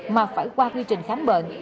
mà phải qua quy trình khám bệnh